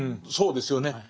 そうですよね。